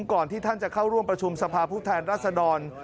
ก่อนที่ท่านจะเข้าร่วมประชุมสภาพผู้แทนรัศดร